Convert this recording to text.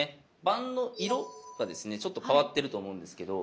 盤の色がですねちょっと変わってると思うんですけど。